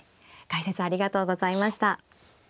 解説ありがとうございました。